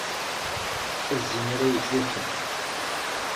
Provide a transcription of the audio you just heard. A zzin ara yečč wakal!